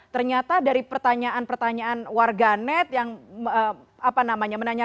ternyata dari pertanyaan pertanyaan warganet yang apa namanya menanyakan